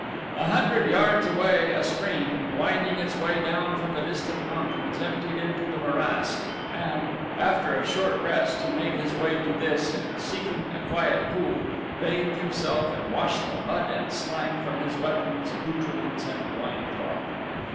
A hundred yards away a stream, winding its way down from the distant mountains, emptied into the morass, and, after a short rest, he made his way to this and seeking a quiet pool, bathed himself and washed the mud and slime from his weapons, accouterments, and loin cloth.